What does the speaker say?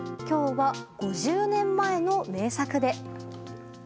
今日は、５０年前の名作で。